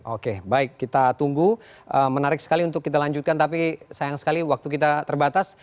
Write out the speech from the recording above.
oke baik kita tunggu menarik sekali untuk kita lanjutkan tapi sayang sekali waktu kita terbatas